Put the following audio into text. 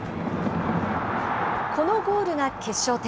このゴールが決勝点。